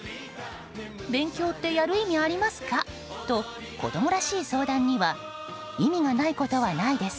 勉強ってやる意味ありますか？と子供らしい相談には意味がないことはないです。